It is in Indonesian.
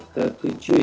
ke tujuh ya